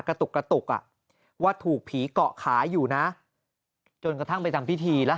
กระตุกกระตุกอ่ะว่าถูกผีเกาะขาอยู่นะจนกระทั่งไปทำพิธีแล้ว